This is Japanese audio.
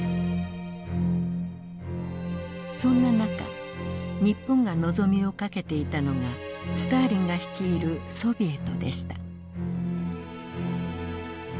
そんな中日本が望みをかけていたのがスターリンが率いるソビエトでした。